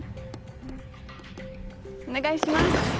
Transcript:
お願いします。